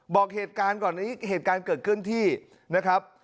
บอกเหตุการณ์ก่อนเหตุการณ์เกิดขึ้นที่นะครับ